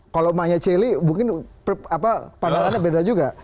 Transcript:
kalau mahnya celi mungkin pandangannya beda juga